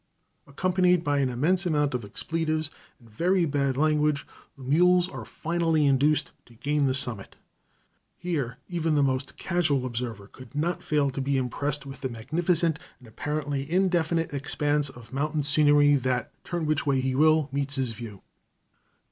Accompanied by an immense amount of expletives, and very bad language, the mules are finally induced to gain the summit. Here even the most casual observer could not fail to be impressed with the magnificent and apparently indefinite expanse of mountain scenery, that, turn which way he will, meets his view.